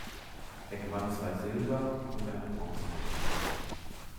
Er gewann zwei Silber und eine Bronzemedaille.